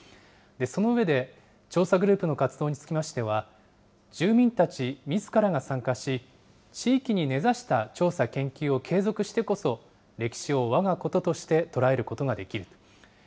その上で、調査グループの活動につきましては、住民たちみずからが参加し、地域に根ざした調査研究を継続してこそ、歴史をわがこととして捉えることができる。